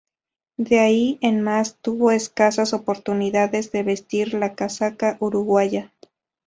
De ahí en más, tuvo escasas oportunidades de vestir la casaca uruguaya.